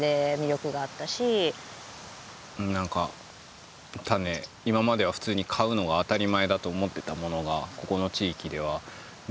なんか種今までは普通に買うのが当たり前だと思ってたものがここの地域ではね